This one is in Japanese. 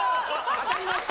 当たりました！